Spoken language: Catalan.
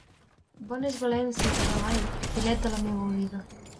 Bona és València, però, ai!, Pinet de la meua vida!